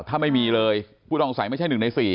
ถ้าไม่มีเลยผู้ต้องสัยไม่ใช่๑ใน๔